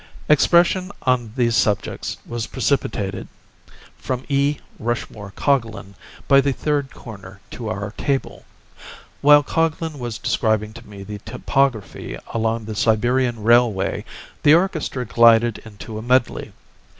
Expression on these subjects was precipitated from E. Rushmore Coglan by the third corner to our table. While Coglan was describing to me the topography along the Siberian Railway the orchestra glided into a medley.